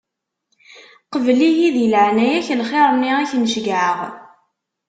Qbel ihi di leɛnaya-k, lxiṛ-nni i k-n-ceggɛeɣ;